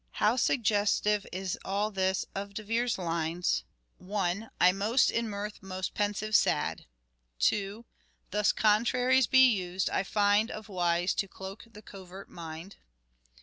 How suggestive is all this of De Vere's lines : Duality in 1. "I most in mirth most pensive sad." Oxford. 2. " Thus contraries be used, I find, Of wise, to cloak the covert mind."